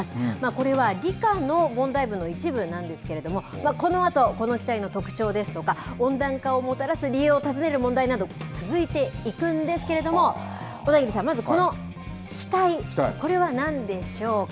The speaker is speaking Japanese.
これは理科の問題文の一部なんですけれども、このあと、この気体の特徴ですとか、温暖化をもたらす理由を尋ねる問題など、続いていくんですけれども、小田切さん、まずこの気体、これはなんでしょうか？